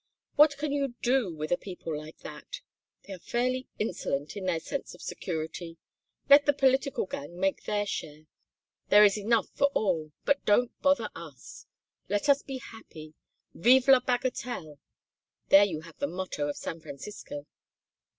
What can you do with a people like that? They are fairly insolent in their sense of security. Let the political gang make their share. There is enough for all. But don't bother us. Let us be happy. Vive la bagatelle. There you have the motto of San Francisco.